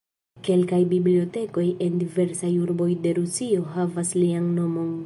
Kelkaj bibliotekoj en diversaj urboj de Rusio havas lian nomon.